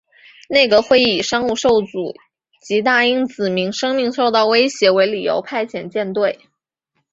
内阁会议以商务受阻及大英子民生命受到威胁为理由派遣舰队。